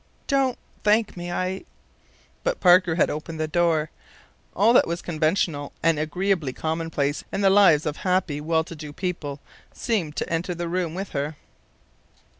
"Don't thank me. I " But Parker had opened the door. All that was conventional and agreeably commonplace in the lives of happy, well to do people seemed to enter the room with her.